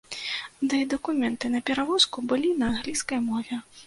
Ды і дакументы на перавозку былі на англійскай мове.